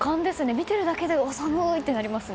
見ているだけで寒いってなりますね。